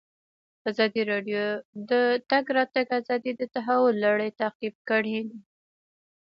ازادي راډیو د د تګ راتګ ازادي د تحول لړۍ تعقیب کړې.